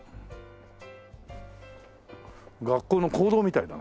学校の講堂みたいだね。